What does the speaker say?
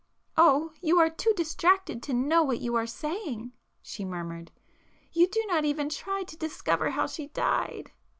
"Oh you are too distracted to know what you are saying," she murmured—"You do not even try to discover how she died!"